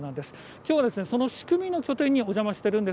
きょうはその仕組みの拠点にお邪魔しているんです。